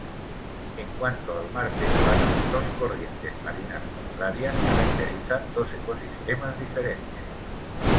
En cuanto al mar peruano, dos corrientes marinas contrarias caracterizan dos ecosistemas diferentes.